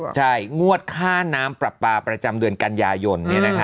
ใช่งวดค่าน้ำปรับปลาประจำเดือนกันยายน